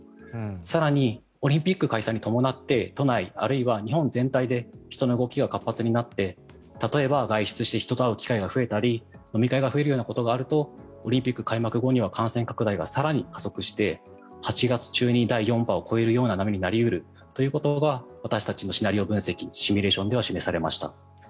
更に、オリンピック開催に伴って都内、あるいは日本全体で人の動きが活発になって例えば外出して人と会う機会が増えたり飲み会が増えるようなことがあるとオリンピック開幕後には感染拡大が更に加速して８月中に第４波を超えるような波になり得るということが私たちのシナリオ分析シミュレーションでは示されました。